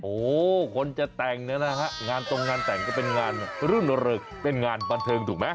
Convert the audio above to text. โอ้โหคนจะแต่งเนี่ยนะฮะงานตรงงานแต่งก็เป็นงานรุ่นเริกเป็นงานบันเทิงถูกไหม